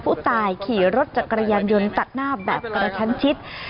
ผู้ตายขี่รถจักรยานยนต์ตัดหน้าแบบกระชั้นชิด